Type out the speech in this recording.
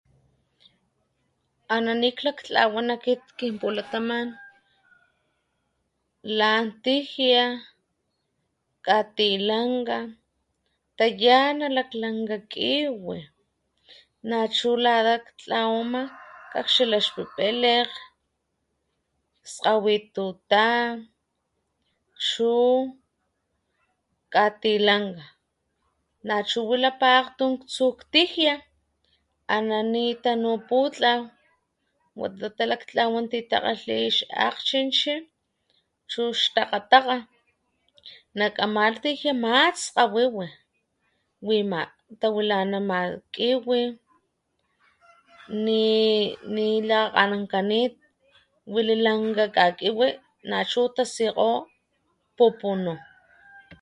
Ana´ nik lakltlawan kin pulataman lan tijia katilanka tayana lak lanka kiwi, nachu lata ktlawama kakxila ixpipelekg , skgawit tuta chu katilanka, nachu wilapa akgtun ktsutijia ana´ nitanu putlaw wata talaklh tlawan wata ti kgalhi akchinchi chu xtakgatkga nak ama tijia mas skgawiwi wima tawilana kgiwi ni, ni lakgakganankanit wili lanka kakiwi nachu tasikgo pupunu